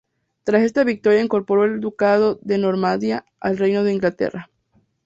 Tras esta victoria incorporó el Ducado de Normandía al reino de Inglaterra.